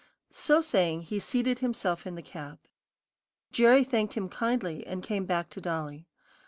So saying, he seated himself in the cab. Jerry thanked him kindly, and came back to Dolly.